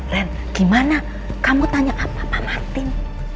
ren gimana kamu tanya apa pak martin